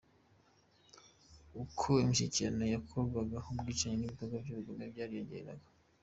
Uko imishyikirano yakorwaga, ubwicanyi n’ibikorwa by’ubugome byariyongeraga.